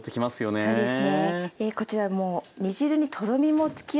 そうですね。